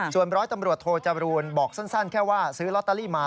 ส่วนร้อยตำรวจโทจรูลบอกสั้นแค่ว่าซื้อลอตเตอรี่มา